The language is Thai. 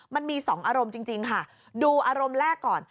มันมีสองอารมณ์จริงค่ะดูอารมณ์แรกก่อน